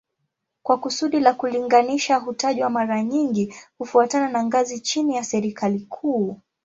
Kwa kusudi la kulinganisha hutajwa mara nyingi kufuatana na ngazi chini ya serikali kuu